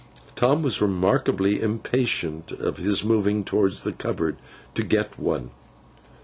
Tom was remarkably impatient of his moving towards the cupboard, to get one.